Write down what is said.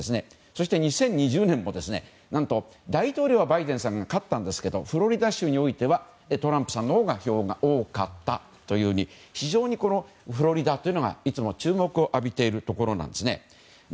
そして２０２０年も何と大統領はバイデンさんが勝ったんですけどフロリダ州においてはトランプさんのほうが票が多かったというように非常にフロリダというのがいつも注目を浴びているところなんですね。